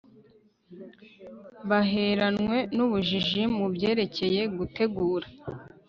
baheranwe nubujiji mu byerekeye gutegura